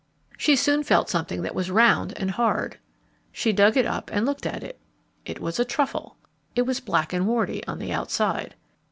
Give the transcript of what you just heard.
She soon felt something that was round and hard. She dug it up and looked at it. It was a truffle. It was black and warty on the outside.